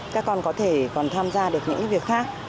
các con có thể còn tham gia được những việc khác